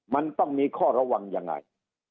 มันต้องมีข้อระวังยังไง